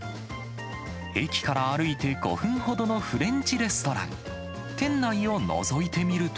駅から歩いて５分ほどのフレンチレストラン。